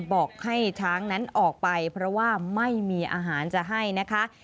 บอกให้ช้างนั้นออกไปเพราะว่าไม่มีอาหารจะให้นะคะ